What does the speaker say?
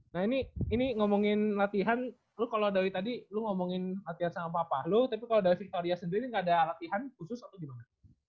nah ini ngomongin latihan lo kalau dari tadi lo ngomongin latihan sama papa lo tapi kalau dari victoria sendiri gak ada latihan khusus atau gimana